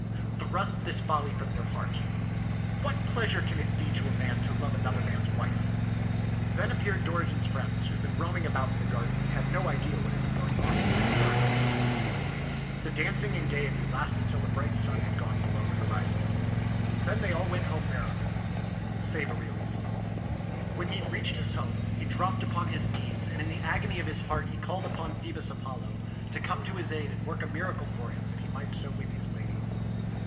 Thrust this folly from your heart. What plea sure can it be to a man to love another man's wife }" Then appeared Dorigen's friends who had been roam ing about in the garden and had no idea what had been going on between her and Aurelius. The danc ing and gayoty lasted till the bright sun had gone below the horizon. Then they all went home merrily save Aurelius. When he had reached his home, he dropped upon his knees, and in the agony of his heart he called upon Phoebus Apollo to come to his aid and work a miracle for him that he might so win his lady.